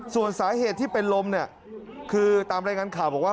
ส่วนสาเหตุที่เป็นลมเนี่ยคือตามรายงานข่าวบอกว่า